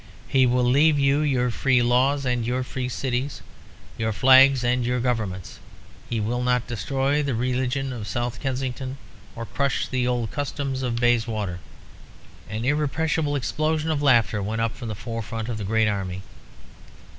He will leave you your free laws and your free cities, your flags and your governments. He will not destroy the religion of South Kensington, or crush the old customs of Bayswater." An irrepressible explosion of laughter went up from the forefront of the great army.